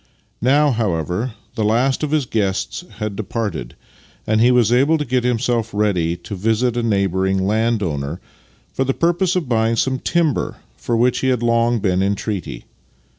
Now, however, the last of his guests had departed, and he was able to get himself ready to visit a neighbouring landowner, for the purpose of buying some timber for which he had long been in treaty.